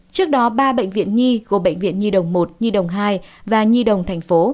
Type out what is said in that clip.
trước đó ba bệnh viện nhi gồm bệnh viện nhi đồng một nhi đồng hai và nhi đồng tp